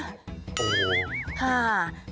โอ้โฮ